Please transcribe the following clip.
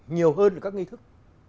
nhiều hơn là các nghi thức